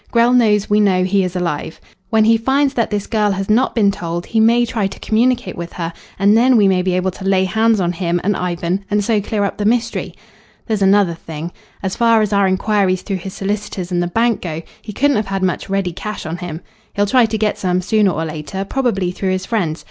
Grell knows we know he is alive. When he finds that this girl has not been told he may try to communicate with her, and then we may be able to lay hands on him and Ivan, and so clear up the mystery. There's another thing. As far as our inquiries through his solicitors and the bank go, he couldn't have had much ready cash on him. He'll try to get some sooner or later probably through his friends.